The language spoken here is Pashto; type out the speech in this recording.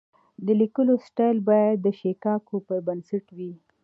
د لیکلو سټایل باید د شیکاګو پر بنسټ وي.